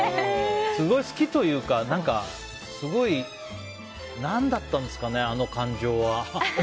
すごい好きというか何だったんですかね、あの感情は。